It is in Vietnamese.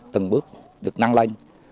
từng bước được năng lên